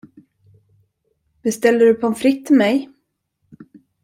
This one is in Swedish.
Beställde du pommes frites till mig?